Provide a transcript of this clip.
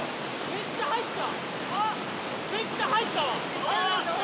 めっちゃ入った。